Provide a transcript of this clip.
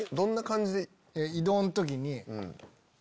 移動の時に。